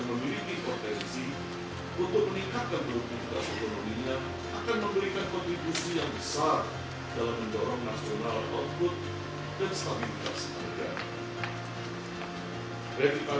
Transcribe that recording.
kami berpandangan bahwa penyediaan proses keuangan yang lebih luas kepada masyarakat yang memiliki potensi untuk meningkatkan berhubungan kita sekelompoknya akan memberikan kontribusi yang besar dalam mendorong nasional output